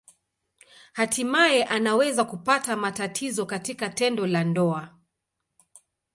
Hatimaye anaweza kupata matatizo katika tendo la ndoa.